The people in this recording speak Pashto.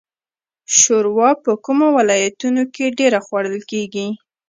شوروا په کومو ولایتونو کې ډیره خوړل کیږي؟